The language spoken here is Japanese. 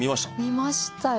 見ましたよ。